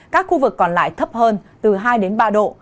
các khu vực còn lại thấp hơn từ hai đến ba độ